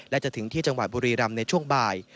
และจะถึงที่จังหวัดบุรีรำในช่วงบ่าย